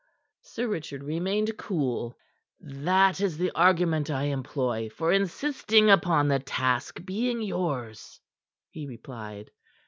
Sir Richard remained cool. "That is the argument I employ for insisting upon the task being yours," he replied.